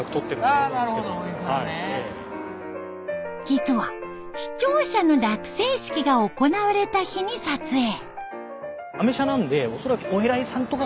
実は市庁舎の落成式が行われた日に撮影。